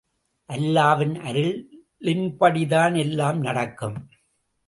அல்லாவின் அருளின்படிதான் எல்லாம் நடக்கும்.